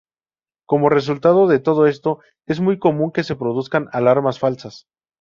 Como resultado de todo esto, es muy común que se produzcan alarmas falsas.